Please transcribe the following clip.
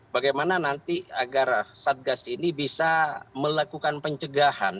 bagaimana nanti agar satgas ini bisa melakukan pencegahan